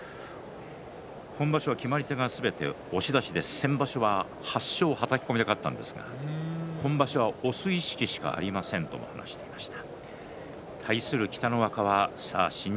今場所は決まり手がすべて押し出しで先場所は８勝、はたき込みで勝ったんですが今場所は押す意識しかありませんと話していました。